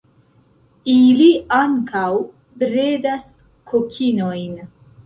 Ili ankaŭ bredas kokinojn.